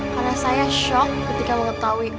karena saya shock ketika mengetahui